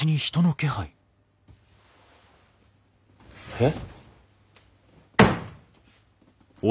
えっ。